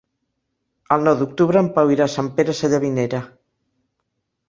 El nou d'octubre en Pau irà a Sant Pere Sallavinera.